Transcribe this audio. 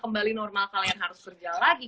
kembali normal kalian harus kerja lagi